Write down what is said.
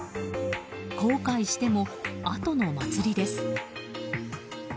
後悔しても後の祭りです。